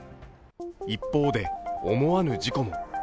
一方で、思わぬ事故も。